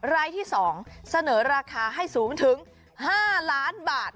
รายที่๒เสนอราคาให้สูงถึง๕ล้านบาท